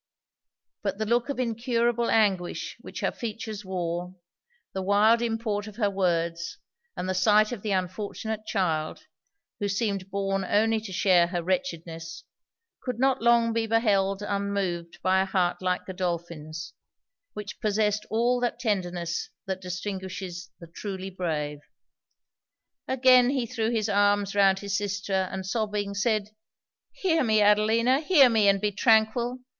But the look of incurable anguish which her features wore; the wild import of her words; and the sight of the unfortunate child, who seemed born only to share her wretchedness; could not long be beheld unmoved by a heart like Godolphin's, which possessed all that tenderness that distinguishes the truly brave. Again he threw his arms round his sister, and sobbing, said 'Hear me, Adelina hear me and be tranquil!